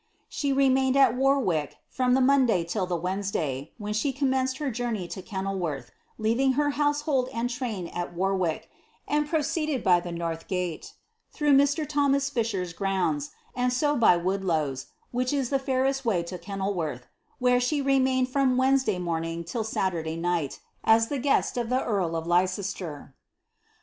She n>» at Warwick from the Monday till the Wednesday, when she iced her journey to Renil worth, leaving her household and train it Warwick, and proceeded, by the north gate, through Mr. Thomas Fisher's grounds, and so by Woodloes, which is the fairest way to Kenil worth, where she remained from Wednesday morning till Saturday night, ai the nest of the earl of Leicester.